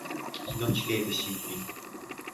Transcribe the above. ヒノキ製で新品。